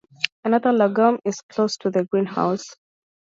Another lagum is close to the greenhouse.